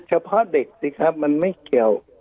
เฉพาะเด็กสิครับมันไม่เกี่ยว